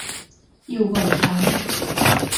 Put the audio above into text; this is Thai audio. อยู่บ่อยครั้ง